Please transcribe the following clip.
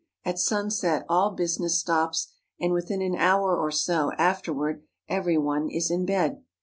At sunset all business stops, and within an hour or so after ward everyone is in bed.